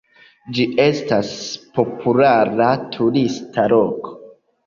Ĝi estas populara turista loko.